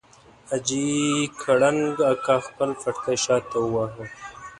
حاجي کړنګ اکا خپل پټکی شاته وواهه.